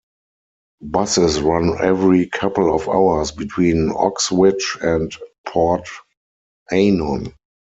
Buses run every couple of hours between Oxwich and Port Eynon.